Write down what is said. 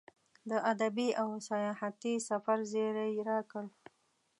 د ادبي او سیاحتي سفر زیری یې راکړ.